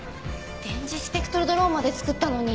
電磁スペクトルドローンまで作ったのに。